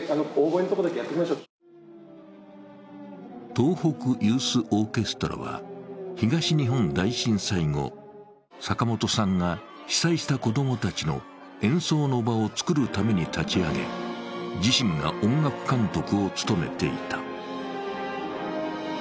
東北ユースオーケストラは東日本大震災後、坂本さんが被災した子供たちの演奏の場を作るために立ち上げ自身が音楽監督を務めていた。